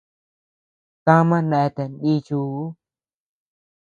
Tama neatea nichiu.